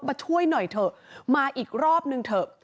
มาช่วยหน่อยเถอะมาอีกรอบนึงเถอะ